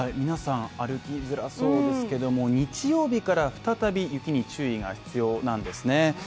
皆さん、歩きづらそうですけども日曜日から再び雪に注意が必要なんですね。